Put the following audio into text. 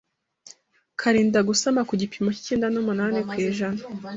karinda gusama ku gipimo cy’icyenda numunani kw’ijana